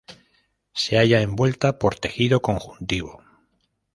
Se halla envuelta por tejido conjuntivo.